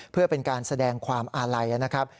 เพื่อเป็นการแสดงความอาลัยนะครับ